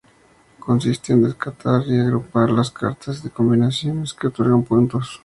Consiste en descartar y agrupar las cartas en combinaciones que otorgan puntos.